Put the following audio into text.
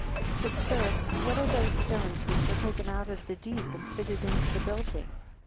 146 But, sir, what are those stones which were taken out of the deep and fitted into the building?